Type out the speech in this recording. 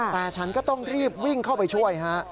แต่ฉันก็ต้องรีบวิ่งเข้าไปช่วยฮะ